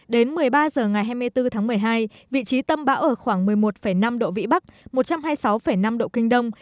đến một mươi ba h ngày hai mươi bốn tháng một mươi hai vị trí tâm bão ở khoảng một mươi một năm độ vĩ bắc một trăm hai mươi sáu năm độ kinh đông